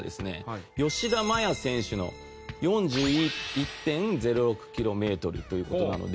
吉田麻也選手の４１．０６キロメートルという事なので。